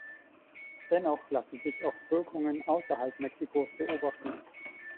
Dennoch lassen sich auch Wirkungen außerhalb Mexikos beobachten.